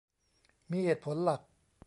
มีเหตุผลหลัก